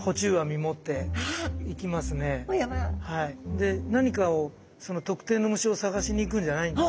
で何かを特定の虫を探しに行くんじゃないんです。